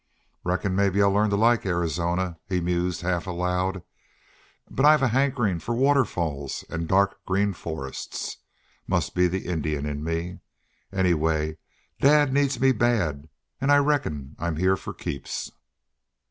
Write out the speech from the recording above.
"Reckon maybe I'll learn to like Arizona," he mused, half aloud. "But I've a hankerin' for waterfalls an' dark green forests. Must be the Indian in me.... Anyway, dad needs me bad, an' I reckon I'm here for keeps."